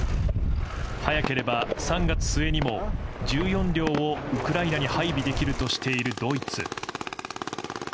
早ければ３月末にも、１４両をウクライナに配備できるとしているドイツ。